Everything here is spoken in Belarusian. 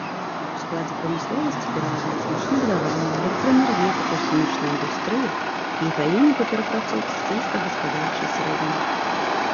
У складзе прамысловасці пераважаюць машынабудаванне, электраэнергетыка, хімічная індустрыя і галіны па перапрацоўцы сельскагаспадарчай сыравіны.